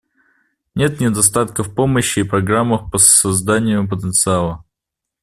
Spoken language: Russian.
Нет недостатка в помощи и программах по созданию потенциала.